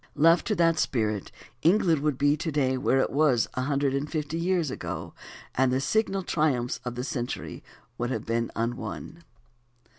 Left to that spirit England would be to day where it was a hundred and fifty years ago, and the signal triumphs of the century would have been unwon.